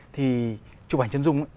thì chụp ảnh chân dung